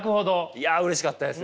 いやうれしかったですね。